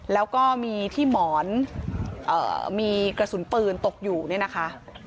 แล้วก็มีที่หมอนมีกระสุนปืนตกอยู่เนี่ยนะคะ